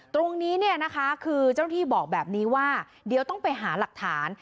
ตรงนี้เนี่ยนะคะคือเจ้าหน้าที่บอกแบบนี้ว่าเดี๋ยวต้องไปหาหลักฐาน